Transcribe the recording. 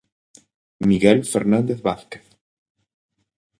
Miguel Fernández Vázquez.